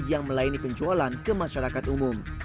yang melayani penjualan ke masyarakat umum